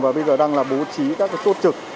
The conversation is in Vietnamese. và bây giờ đang bố trí các chốt trực